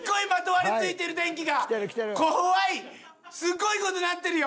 すごい事になってるよ。